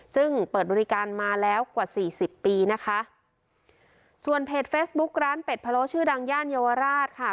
ซึ่งเปิดบริการมาแล้วกว่าสี่สิบปีนะคะส่วนเพจเฟซบุ๊กร้านเป็ดพะโลชื่อดังย่านเยาวราชค่ะ